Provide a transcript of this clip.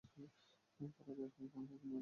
তারা বের হল এবং পাহাড়ের কিনারায় দাঁড়াল।